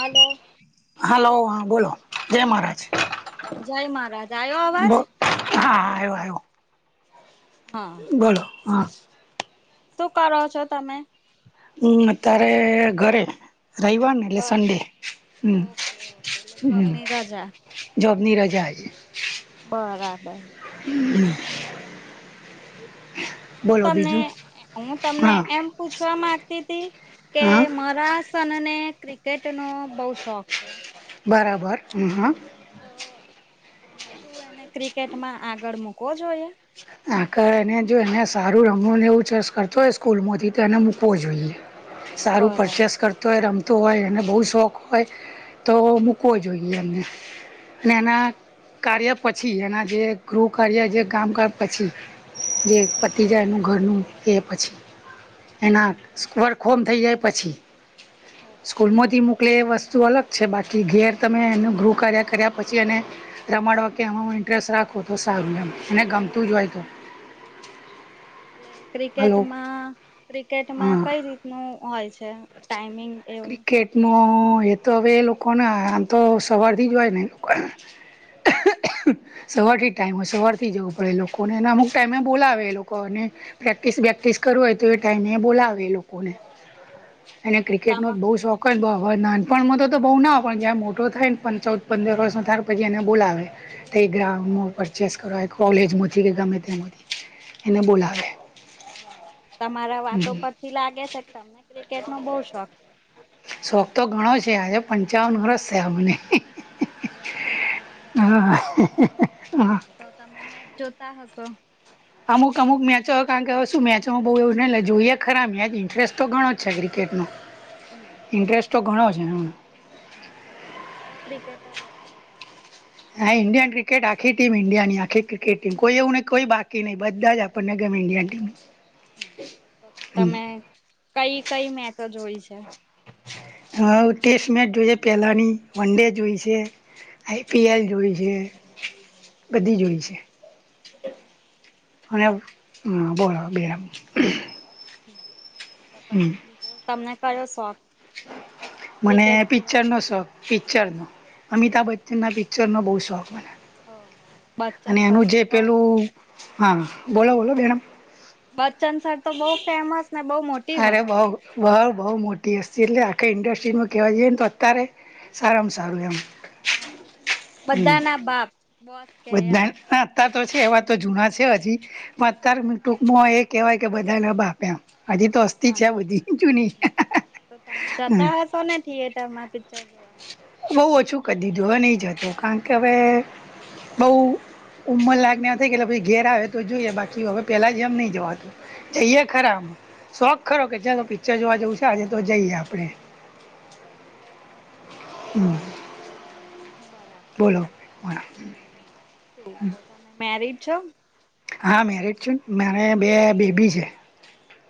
Hello hello હા બોલો જય મહારાજ જય મહારાજ આવ્યો અવાજ? બો હા આવ્યો-આવ્યો હા બોલો હા શું કરો છો તમે? હમ અત્યારે ઘરે રવિવાર ને એટલે બર સન્ડે ઓકે ઓકે એટલે હમ જોબની રજા જોબની રજા આજે બરાબર હ હું બોલો તમને બીજું હું તમને હા એમ પૂછવા માંગતી હતી કે હા મારા હસબન્ડે ને ક્રિકેટ નો બઉ શોખ છે. બરાબર હ-હા તો શું એને ક્રિકેટમાં આગળ મૂકવો જોઈએ? આ એને જો એને સારું રમવું એવું જસ્ટ કરતો હોય સ્કૂલ માંથી તો એને મૂકવો જોઈએ સારું બરાબર પરચેસ કર ય રમતો હોય એ બહુ શોખ હોય તો મૂકવો જોઈએ એમને અને એના કાર્ય પછી એના જે ગૃહકાર્ય જે કામકા પછી જે પતિજાયનું ઘરનું એ પછી એના ઓકે વર્ક હોમ થઈ જાય પછી, ઓકે સ્કૂલમાંથી મૂક એ એ વસ્તુ અલગ છે, બાકી ઘેર તમે એનું ગૃહ કાર્ય કર્યા પછી એને રમડ વ કે એમાં ઇન્ટરેસ્ટ રાખો તો સારૂ મને ગમતું જ હોય તો. એટલે હલો ક્રિકેટમાં ક્રિકેટમાં હા કઈ રીતનું હોય છે? ટાઈઇમિંગ એવું ન એ તો હવે એ લોકો ના આમ તો સવારથી જ હોય ને. સવારથી જ ટાઈમ હોય સવારથી જવું પડે લોકોને એને અમુક ટાઈમે એ બોલાવે એ લોકો અને પ્રેક્ટિસ બેેક્ટિસ કરવું હોય તો એ ટાઈમે એ બોલાવે એ લોકોને. બરાબર એને ક્રિકેટ તમા નો જ બહુ શોખ બ નાનપણમાં તો બહુ ના હો પણ જ્યાં મોટો થાય ને પણ ચૌદ પંદર વર્ષ તાર પછી એને બોલાવે. ગ્ર પરચેસ કર કોલેજમાંથી, કે ગમે તેથી એને બોલાવે. બરાબર તમારા વાતો પરથી લાગે છે, કે તમને ક્રિકેટ નો બહ શોખ. છે. શોખ તો ગણો છે આજે પંચાવન વર્ષ થ મને. એવું છે એમ અચ્છા. હા હા. તો તમે મેચ જોતા હશો? અમુક અમુક મેચો કારણ કે શું મેચોમાં બહુ એવું નને લે જોઈએ ખરા મેચ ઇન્ટરેસ્ટ તો ઘણો જ છે ક્રિકેટનો. હમ. ઇન્ટરેસ્ટ તો ઘણો છે એમ. હ તો તમને કયો ક્રિકેટર વધારે પસંદ? હા ઇન્ડિયન ક્રિકે આખી ટીમ ઈન્ડિયાની આખ ક્રિકેટ ટીમ કો એવું નહી કો બાકી નહીં બધા જ આપ અ ઉપનગમ એ અ ટી. [unintelligible] તો તમે કઈ કઈ મેચ જોઈ છે? હ ટેસ્ટ મેચ જોઈ છે પહેલાની વનડે જોઈ છે. આઈ પી એલ જોઈ છે બધી જોઈ છે. બરાબર. અને બોરાબ બેરા. તો હમ પછી બીજું તમને ક્યો શોખ? મને ક્રિકેટ સિવાય? પિક્ચરનો શોખ પિક્ચરનો અમિતાભ બચ્ચનના પિકચર. ચ્રણનો બહુ શોખ મને. હ હ અને બચ્ચંચ એનું જે કહ. [unintelligible] પેલું હા બોલો બોલો બેેડ. બચ્ચનસર તો બહુ ફેમસ ને બહુ મોટી અરે બઉ હસ્તી. બહ બઉુ મોટી હસ્તી એટલે આખા ઇન્ડસ્ટ્રીમાં કેવા જઈએ ને તો અત્યારે સારમ સારું એમ. હા હમ બધા ના બાપ બસ. બધા નાતતો છે એવાતો જૂના છે હજી અત્યંર હા ટૂંકમાં એ કહેવાય કે બધાને બાપ્યા. હજી તો હા. હસ્તી છે હા આ બધી જૂનીહ. તમે જતા તો ને યેટર પિક્ચર જોવા. બહ ઓછું કરી દીધું હ નહી જતું કારણ કે હવે બઉ. ઉંમર લાગને થ કેટ ઘેર આવે તો જોઈએ બાકી હવે પેલા જેમ નઈ જવાતું. જઈએ ખરા આ શોખ ખરો કે જે પિક્ચર જોવા જેવું છે આજતો જઈએ આપડે. હમ. બરાબર. બોલો હ. હમ શું તો તમે મેરડ છો? હા મેરડ છે મારે બે બેબી છે.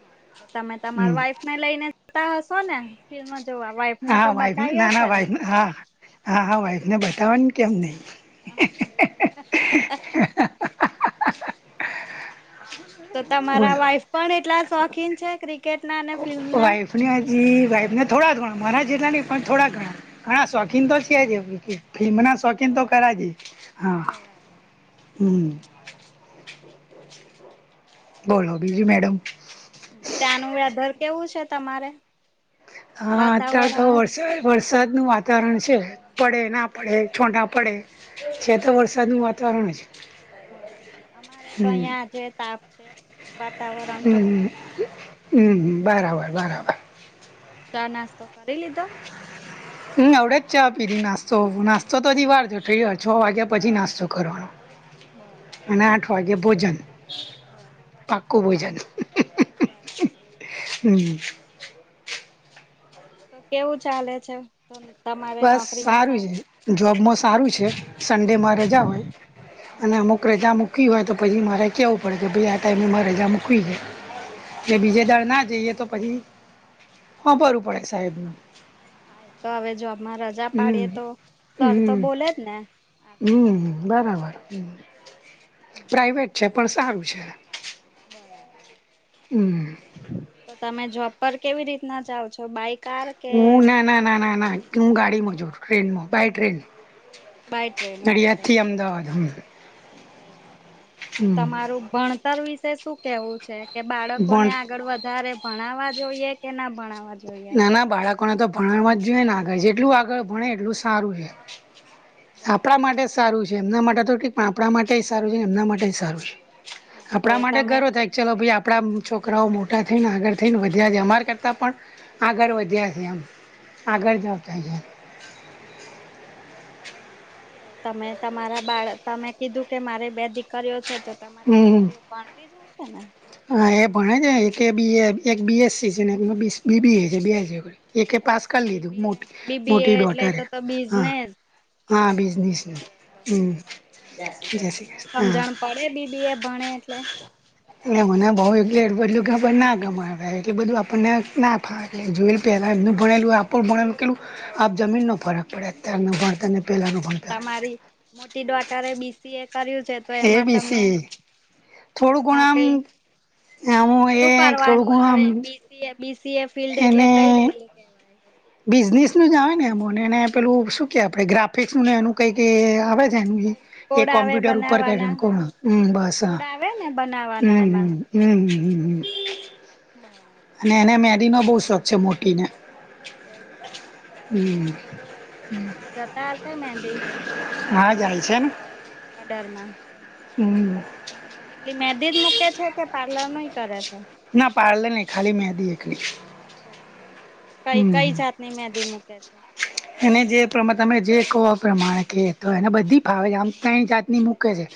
હા તો તમે તમારે હમ વાઈફ ને લઈને જતા હશો ને ફિલ્મ જોવા વાઈફ ને હા તો વાઇફ બતાવી ના ના હશે ને વાાઈફ હા હા હા વાઇફને બતાવાનું કેમ નય. હા. તો તમારા બોલો વાઈફ પણ એટલા શોખીન છે ક્રિકેટના અને ફિલ્મના. હા જી વાઈફને થોડા ઘણા મારા જેટલા નહીં પણ થોડા ઘણા ઘણા શોખીન તો છે જ એ કે. ફિલ્મ ના શોખીનતો ખરાજ એ હા બરાબર હમમ. બોલો બીજુ મેડમ. ત્યાંનું વેધર કેવું છે તમારે? હા ત્યાં તો વાતાવરણ વર્ષ વરસાદનું વાતાવરણ છે પડેના પડે છોટા પડે. છે તો વરસાદનું વાતાવરણ જ. બરાબર અમારે તો હમ અહિયાં આજે તાપ છે, વાતાવરણ ચોખ્ખું છે. હમમ બરાબર બરાબર. ચા, નાસ્તો કરી લીધો? હમમ અવડેજ ચા પીધી નાસ્તો નાસ્તો તો હજી વાર છે છ વાગ્યા પછી નાસ્તો કરવાનો. બરાબર. આજે ભોજન બરાબર પાક્કું બરાબર. હમમ. તો કેવું ચાલે છે તમારે બસ નોકરીમાં છે સારું ને. જોબમાં સારું છે સન્ડેમાં હમ રજા હોય અને હમ અમુક રજા મૂકીવી હોય તો પછી મારે કેહેવું પડે કે ભાઈ આ ટાઈમેમાં રજા મૂકવી છે. ને બીજે બરાબર દાડે ના જઈએ તો પછી હાભરવુ પડે સાહેબ નું હા એ તો હવે જોબમાં રજા પાડીએ હમ તો સર તો હમ બોલે જ ને હમ આગળથી બરાબર હમ પ્રાઇવેટ છે પણ સારું છે. બરાબર. હમમ. તો તમે જોબ પર કેવી રીતના જાવ છો બાઈક હું ના ના ના ના ના હું ગાડીમાં જવું ટ્રેનમાં by train. By train Nadiad okay થી અમદાવાદ હમમ. ઓકે ઓકે તો તમારું ભણતર વિશે શું કેવું છે? કે બાળકોને પણ આગળ વધારે ભણાવવા જોઈએ કે ના ભણાવવા જોઈએ. ના ના બાળકોને તો ભણવવા જ જોઈએ ને આગળ જેટલું આગળ ભણે એટલું સારું છે. આપણા બરાબર માટે સારું છે એમના માટે તો ઠીક પણ આપણા માટે સારું છે ને એમના માટે બી સારું છે. હા તો આપણા માટે તમે ગર્વ થાય ચલો ભાઈ આપણા છોકરાઓ મોટા થઈને આગળ થઈને વધ્યા છે અમારા કરતાં પણ આગળ વધ્યા છે એમ આગળ જતા છે. ઓકે. તો તમે તમારા બાળ તમે કીધું કે મારી બે દીકરીઓ છે તો તમારી હમ દીકરીઓ પણ તી જ હશે ને હા એ ભણે છે એક એ બી એ એક બીએસ સી છે ને બી બી એ છે બે છે. એકે પાસ ઓહો કરી લીધું બીબી એ બીબી એ મોટી એટલે ડોટરે તો તો હા. બિઝનેસ હા બિઝનેસ છે એ તો હમમ જય શ્રી કષણ હા. એ બી બી એ ભણે એટલે એટલે મને બઉ એલે એ બધલું ખબર ના ગમે એટલે બધું આપણને ના ફાવે. એ જોઈન પહેલાં એમનું ભણેેલું આપણું ભણેલું કેટલું આભ જમીનનો ફરક. પણ અતારનું ભણતર અને પહેલાનું ભણતર. મોટી દોટરે બી સી એ કર્યું છે તો એ એમાં બી તમને સી થોડું ઘણું એમાં કંઈ આમ આમ એ સુું થોડું કરવાનું ઘણું આમ આવે બી સ બી સી એ ફિલ્ડ એટલે એને કઈ ફિલ્ડ? કહેવાય બિઝનેસ નું જ આવે ને, એ મને એને પેલું શું કે આપડે ગ્રાફિક્સ ને એનું કંઈ એ આવે છ એ કોડ આવે કોમ્પ્યુટર ઉપર બનાવાના [unintelligible] હમ્મ બસ હા. કોડ આવે ને બનાવાના એમાં હમ્મ-હમ્મ. હમ્મ-હમ્મ-હમ્મ-હમ્મ. બરાબ અને એને મેદીનો બહુ શોખ છે મોટીને. એવું છે એમ. ઓહ હમ તો-તો મૂકવા જતા હશે મેદી હા જાય છે ને. ઓર્ડરમાં. હમ્મ. એટલે મેદી જ મૂકે છે કે પાર્લર નુંય કરે છે? ના પાર્લર નહીં, ખાલી મેદી એકલી. ઓકે. હમ કંઈ-કંઈ જાતની મેદી મૂકે છે? એને જે પ્રમા તમે જે કહો એ પ્રમાણે કહે તો એને બધી ફાવે છે આમ તઈન જાતની એટલે મૂકે છે.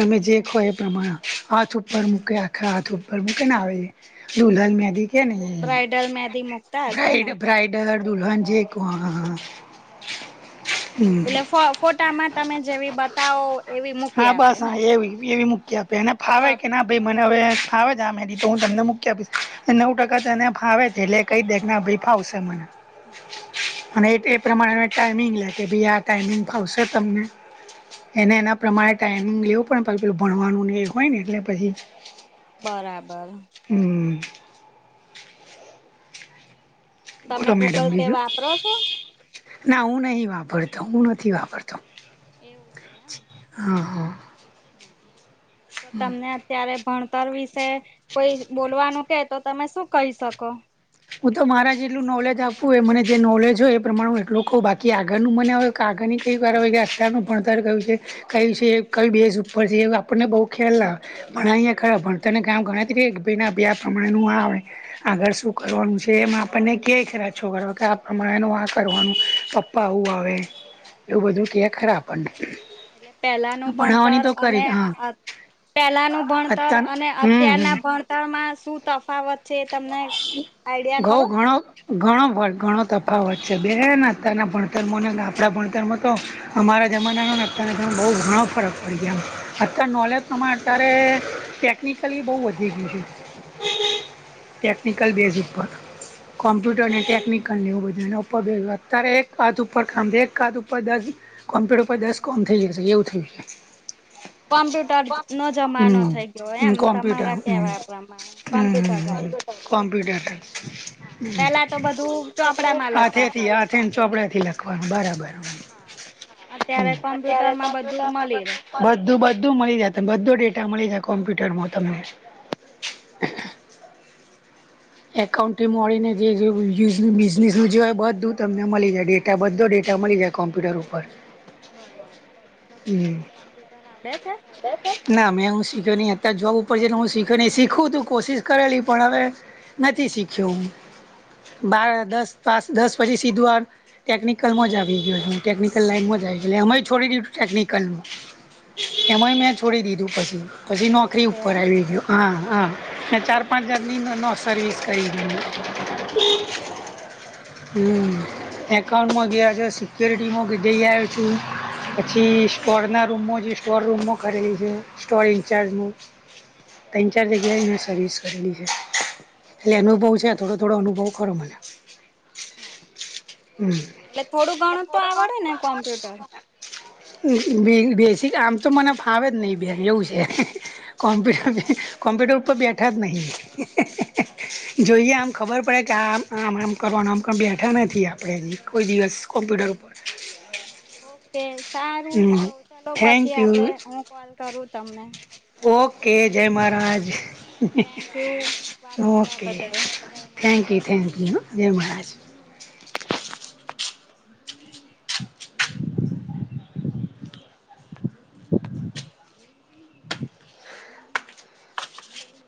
તમે જે એટલે કહો એ પ્રમાણે. હાથ ઉપર હા મૂકે આખા હાથ ઉપર મૂકે ને આવી, દુલ્હન હા મેદી કેને એ. બ્રાઈડલ [unintelligible] ને બ્રાઈડ બ્રાઈડલ, દુલ્હન જે કહો, હા. બરાબર. હમ્મ. હમ એટલે ફો ફોટામાં તમે જેવી બતાવો એવી મૂકી હા આપે બસ, ને હા એવી. એવી મૂકી આપે એને ફાવે કે ના કોપી ભાઈ મને હવે ફાવે છે આ મેદી, તો હું તમને મૂકી આપીશ. એ નવ ટકા તને ફાવે છે એટલે કંઈ દે કે ના ભઈ ફાવશે મને. હા. અને એ તે પ્રમાણે ટાઈમિંગ લે કે ભઈ આ ટાઈમિંગ ફાવશે તમને? એને એના પ્રમાણે ટાઈમિંગ લેવું પડે ને પછી પેલું ભણવાનું ને એ હોય ને એટલે પછી બરાબર. હમ્મ. તમે બોલો મેડમ ગૂગલ પે બીજું. વાપરો છો ના હું નહીં વાપરતો, હું નથી વાપરતો. એવું છે એમ. હા, હા. હા. તો તમને આ ત્યારે ભણતર વિશે કોઈ જ બોલવાનું કહે તો તમે શું કહી શકો? હું તો મારા જેટલું નોલેજ આપવું હોય એ મને જે નોલેજ હોય એ પ્રમાણે હું એટલું કઉ, બાકી આગળનું મને હવે કાગળની કંઈ [unintelligible] હોય કે આટલાનું ભણતર કયું છે કયું છે, કંઈ બેઝ ઉપર છે એ આપણને બહું ખ્યાલ ના આવે. ભણાયા ખરા. ભણતર ને [unintelligible] કે ભઈ ના આ પ્રમાણેનું આ આવડે. આ [unintelligible] કરવાનું છે એમાં આપણને ક્યાંય [unintelligible] કે આ પ્રમાણે નું આ કરવાનું, પપ્પા આવું આવે. એવું બધું ક્યે ખરા આપણને. એટલે પહેલાનું ભણાવવાની ભણતર તો અને કરી હા અત પહેલાનું ભણતર અત્યાર અને હમ હમ અત્યારના ભણતરમાં શું તફાવત છે એ તમને આઈડિયા ખરો? ઘઉં ઘણો ઘણો વ ઘણો તફાવત છે બેન અતારના ભણતરમોને આપણા ભણતરમો તો, અમારા જમાનામાં અત્યાર બહુ ઘણો ફરક પડી ગયા. અતાર નોલેજ તમામાં અત્યારે ટેકનિકલી બહુ વધી ગયું છે. ટેકનિકલ બેઝિક પર, કોમ્પ્યુટર ને ટેકનિકલને એવું બધાગ અત્યારે એક હાથ ઉપર કામ એક કા ઉપર દસ, કોમ્પ્યુટર પર દસ કોમ થઈ જશે એવું થયું છે. કોમ્પ્યુટર નો જમાનો થઇ ગયો હમ એમ કોમ્પ્યુટર તમારા હમ કેવાય પ્રમાણે, કોમ્પ્યુટર ભાઇ, હમ કોમ્પ્યુટર પેલા તો બધું ચોપડામાં હાથે થી લખાતું હતું. હાથીન, ચોપડા થી લખવાનું બરાબર, હા અત્યારે કોમ્પ્યુટરમાં મળી રહે. બધું બધું મળી જાય ત બધો ડેટા મળી જાય કોમ્પ્યુટરમાં તમને, એકાઉન્ટથી મળીને જે યુઝ બિઝનેસનું જો બધું તમને મળી જાય ડેટ બધો ડેટા મળી જાય કોમ્પ્યુટર ઉપર, બરાબર તો શું હમ તમને કોમ્પ્યુટર આવડે છે. ના મેં હું શીખ્યો નહી અત્યારે જોબ ઉપર છે ને હું શીખ્યો ન શીખું તું કોશિશ કરેલી, પણ હવે નથી શીખ્યો હું, બાર બરાબર દસ પાંચ દસ પછી સીધો આર, ટેકનિકલમાં જ આવી ગયો છે હું ટેકનિકલ લાઈનમાં જ આવી ગય અમે છોડી દીધું છું ટેકનિકલમાં, હા. એમાંય મેં છોડી બરાબર દીધું પછી, પછી એવું નોકરી છે. ઉપર આવી ગયું, હા હા મે ચાર ઓહો જર્ની [unintelligible] માં ન સર્વિસ કરી ને, બરાબર, હમ એકાઉન્ટમાં ગયા છે સિક્યુરિટીમાં જઈ આવ્યો છું. પછી સ્ટોર ના રૂમો જે સ્ટોર રૂમમાં ખરીલી છે સ્ટોર ઇન્ચાર્જ નુ. ત્રણ ચાર જગ્યાએ મૈં સર્વિસ કરેલી છે, એટલે અનુભવ છે થોડો થોડો અનુભવ ખરો મને. હા હમ એટલે થોડું ગણત તો આવડે ને કોમ્પ્યુટર. બેસીક આમ તો મને ફાવે જ નહી બેન એવું છે. એવું છે. કોમ્પ્યુટર કોમ્પ્યુટર ઉપર બેઠાત નહી. જોઈએ આમ ખબર પડે કે આમ આમ આમ કરવાનું આમ ક બેઠા નથી આપણે એ કોઈ દિવસ. કોમપ્યટર ઉપર, [inaudible] ઓકે સારું હમ તો ચલો થેન્ક પછી યુ આપડે હું કોલ કરું તમને, ઓકે, જય મહારાજ. થેન્ક યુ વાત કરવા ઓકે, બદલ જય મહારાજ. થેન્કયુ થેન્ક યુ હ જય મહારાજ.